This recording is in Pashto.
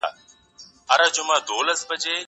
زه اجازه لرم چي لیکل وکړم؟